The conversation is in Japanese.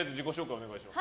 お願いします。